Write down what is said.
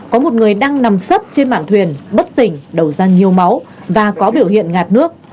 có một người đang nằm sấp trên mảng thuyền bất tỉnh đầu ra nhiều máu và có biểu hiện ngạt nước